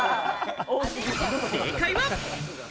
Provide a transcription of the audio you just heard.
正解は。